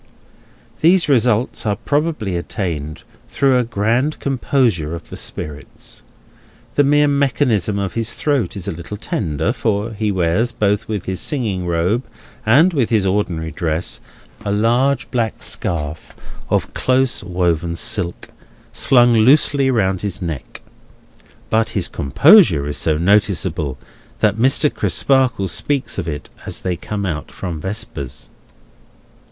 These results are probably attained through a grand composure of the spirits. The mere mechanism of his throat is a little tender, for he wears, both with his singing robe and with his ordinary dress, a large black scarf of strong close woven silk, slung loosely round his neck. But his composure is so noticeable, that Mr. Crisparkle speaks of it as they come out from Vespers.